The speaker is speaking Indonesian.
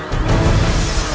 aku akan menangkan gusti ratu